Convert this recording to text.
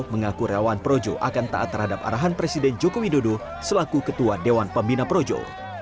mengaku relawan projo akan taat terhadap arahan presiden joko widodo selaku ketua dewan pembina projo